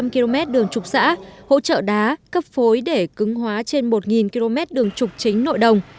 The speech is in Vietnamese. một trăm linh km đường trục xã hỗ trợ đá cấp phối để cứng hóa trên một km đường trục chính nội đồng